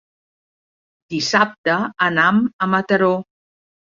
Dissabte anam a Mataró.